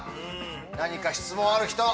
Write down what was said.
何か質問ある人！